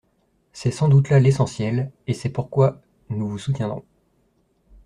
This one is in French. C’est sans doute là l’essentiel, et c’est pourquoi nous vous soutiendrons.